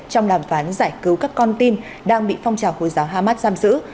trong đàm phán giải cứu các con tin đang bị phong trào hồi giáo hamas giam giữ